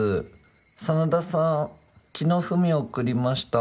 真田さん昨日ＦＵＭＩ送りました。